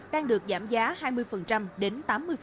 đang được giảm giá hai mươi đến tám mươi